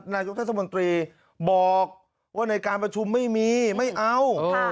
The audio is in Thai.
นายุทธมนตรีบอกว่าในการประชุมไม่มีไม่เอา